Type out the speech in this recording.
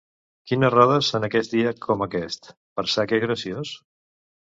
Quines rodes en aquest dia com aquest, per sake graciós?